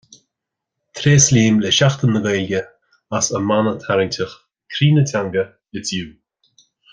Tréaslaím le Seachtain na Gaeilge as a mana tarraingteach "Croí na Teanga: It's you".